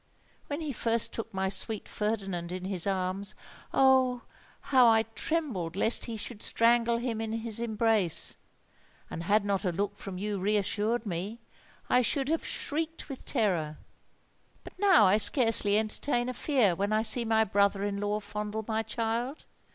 "When he first took my sweet Ferdinand in his arms, oh! how I trembled lest he should strangle him in his embrace; and had not a look from you reassured me, I should have shrieked with terror! But now I scarcely entertain a fear when I see my brother in law fondle my child.